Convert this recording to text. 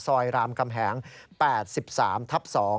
รามกำแหง๘๓ทับ๒